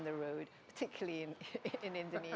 terutama di indonesia